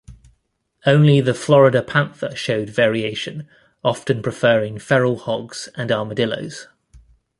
Only the Florida panther showed variation, often preferring feral hogs and armadillos.